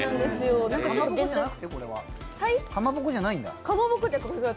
かまぼこじゃないんだ？